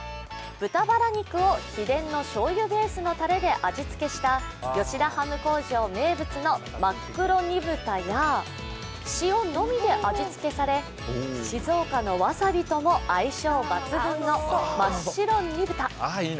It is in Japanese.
豚ばら肉を秘伝のしょうゆベースのたれで味付けした吉田ハム工場名物のまっくろ煮豚や塩のみで味付けされ、静岡のわさびとも相性抜群のまっしろ煮豚。